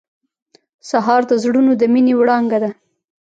سهار د زړونو د مینې وړانګه ده.